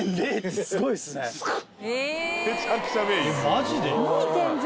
マジで？